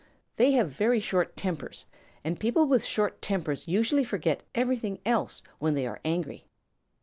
They have very short tempers, and people with short tempers usually forget everything else when they are angry.